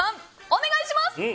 お願いします！